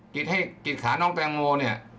กรีดขาน้องแตงโมเนี่ย